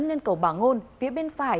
lên cầu bà ngôn phía bên phải